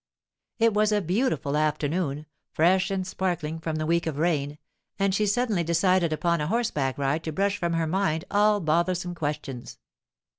It was a beautiful afternoon, fresh and sparkling from the week of rain, and she suddenly decided upon a horseback ride to brush from her mind all bothersome questions.